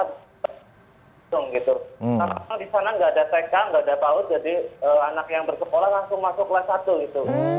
karena disana nggak ada tk nggak ada pau jadi anak yang bersekolah langsung masuk kelas satu gitu